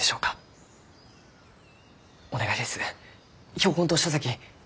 標本と書籍